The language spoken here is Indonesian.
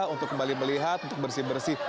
untuk kembali melihat untuk bersih bersih